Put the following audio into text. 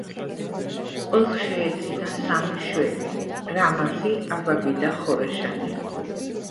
წყვილს შეეძინა სამი შვილი: რამაზი, ავაგი და ხორეშანი.